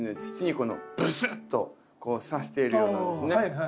土にブスッとこうさしているようなんですね。